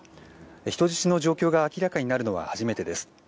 人質の状況が明らかになるのは初めてです。